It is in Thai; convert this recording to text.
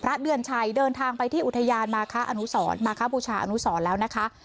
พระเดือนชัยเดินทางไปที่อุทยานมาข้าบุชะอนุศรแล้วนะคะ